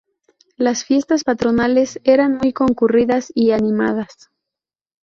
Las fiestas patronales eran muy concurridas y animadas.